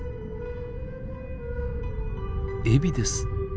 エビです。